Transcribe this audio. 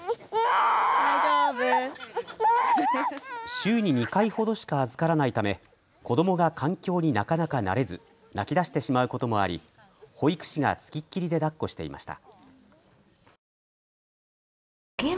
週に２回ほどしか預からないため子どもが環境になかなか慣れず泣き出してしまうこともあり保育士が付きっきりでだっこしていました。